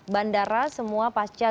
bandara semua pasca